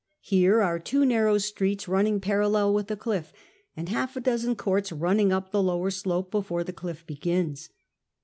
Here are two narrow streets run ning parallel witli the clitl', and half a dozen courts run ning up the lower slope ]>uforc the dill' begins.